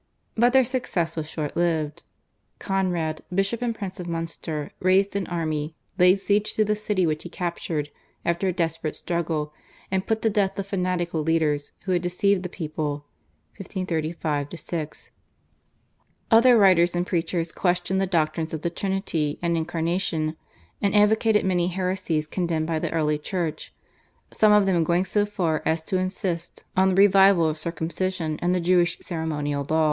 But their success was short lived. Conrad, bishop and prince of Munster, raised an army, laid siege to the city which he captured after a desperate struggle, and put to death the fanatical leaders who had deceived the people (1535 6). Other writers and preachers questioned the doctrines of the Trinity and Incarnation, and advocated many heresies condemned by the early Church, some of them going so far as to insist on the revival of circumcision and the Jewish ceremonial law.